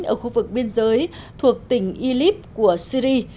ở khu vực biên giới thuộc tỉnh illib của syri